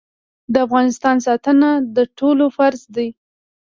د افغانستان ساتنه د ټولو فرض دی